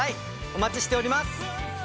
お待ちしております。